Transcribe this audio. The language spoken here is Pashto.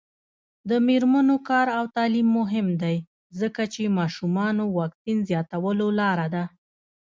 د میرمنو کار او تعلیم مهم دی ځکه چې ماشومانو واکسین زیاتولو لاره ده.